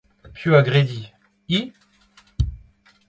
Piv a gredi ?- Hi.